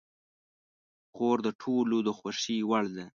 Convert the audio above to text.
خور د ټولو د خوښې وړ ده.